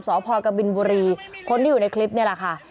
สพกบินบุรีคนที่อยู่ในคลิปนี่แหละค่ะ